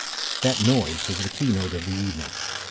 That noise was the keynote of the evening.